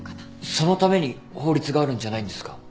そのために法律があるんじゃないんですか？